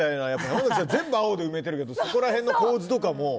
山崎さん全部青で埋めてるけどそこら辺の構図とかも。